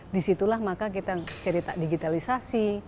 disitulah maka kita cerita digitalisasi